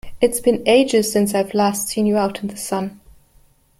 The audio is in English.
It has been ages since I've last seen you out in the sun!